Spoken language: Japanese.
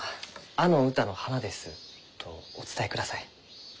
「あの歌の花です」とお伝えください。